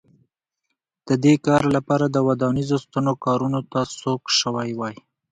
د دې کار لپاره ودانیزو ستنو کارونو ته سوق شوي وای